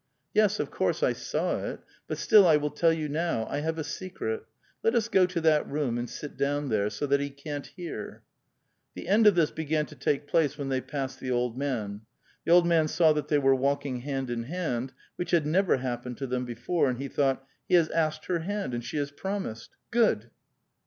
" Yes, of course, I saw it ; but still I will tell you now, — I have a secret ; let us go to that room, and sit down there, so that he can't hear." The end of this began to take place when they passed the old man. The old man saw that they were walking hand in hand, which had never happened to them before, and he thought: *'He has asked her hand, and she has promised. Good